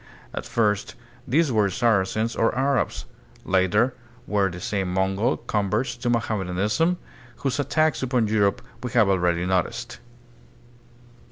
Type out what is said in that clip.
At first these were Saracens or Arabs; later they were the same Mongol converts to Mohammedanism, whose attacks upon Europe we have already noticed.